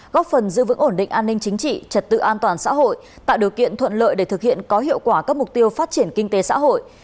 góp phần giữ vững ổn định an ninh chính trị trật tự an toàn xã hội tạo điều kiện thuận lợi để thực hiện có hiệu quả các mục tiêu phát triển kinh tế xã hội